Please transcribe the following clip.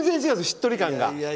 しっとり感が。